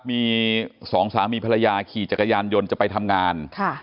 มีสองสามีภรรยาขี่จักรยานยนต์จะไปทำงาน